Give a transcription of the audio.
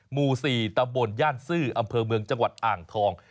หมู่๔ตำบลย่านซื่ออำเภอเมืองจังหวัดอ่างทอง